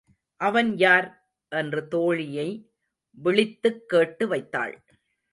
அவன் யார்? என்று தோழியை விளித்துக் கேட்டு வைத்தாள்.